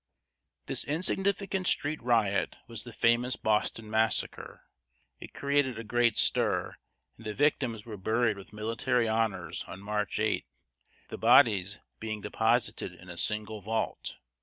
This insignificant street riot was the famous "Boston Massacre." It created a great stir, and the victims were buried with military honors on March 8, the bodies being deposited in a single vault.